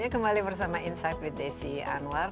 kembali bersama insight with desi anwar